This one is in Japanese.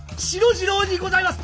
次郎にございます！